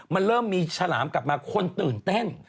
มันเริ่มมีฉลามกลับมาคนตื่นเต้น